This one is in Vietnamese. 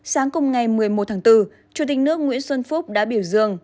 sáng cùng ngày một mươi một tháng bốn chủ tịch nước nguyễn xuân phúc đã biểu dương